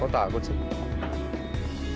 lo takut sih